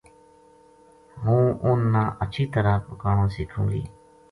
ہوں اُنھ نا ہچھی طرح پکانو سِکھوں گی